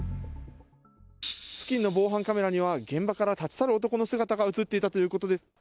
付近の防犯カメラには、現場から立ち去る男の姿が写っていたということです。